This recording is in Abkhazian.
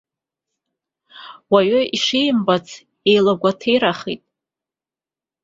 Уаҩы ишимбац еилагәаҭеирахеит.